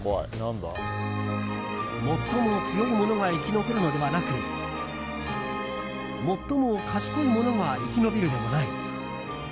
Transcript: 最も強い者が生き残るのではなく最も賢い者が生き延びるでもない。